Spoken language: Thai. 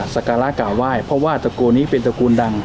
สกราคาว้ายเพราะว่าตระกูลนี้เป็นตระกูลดั่ง